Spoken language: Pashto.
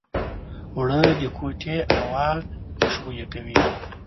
اوړه د کوټې هوا خوشبویه کوي